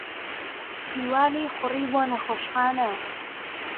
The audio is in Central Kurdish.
ھیوا لێی خوڕی بۆ نەخۆشخانە.